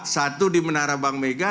satu di menara bank mega